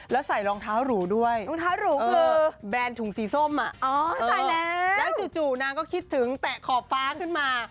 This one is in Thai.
แล้วใส่รองเท้าหรูด้วยแบรนด์ถุงสีส้มอะแล้วจู่นางก็คิดถึงแตะขอบฟ้าขึ้นมา